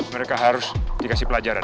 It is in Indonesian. mereka harus dikasih pelajaran